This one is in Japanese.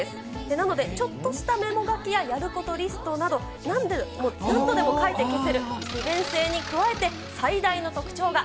なのでちょっとしたメモ書きややることリストなど、何度でも書いて消せる利便性に加えて、最大の特徴が。